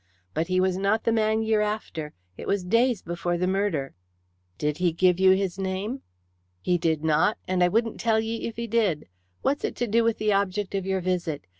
But he was not the man ye're after. It was days before the murder." "Did he give you his name?" "He did not, and I wouldn't tell ye if he did. What's it to do with the object of your visit?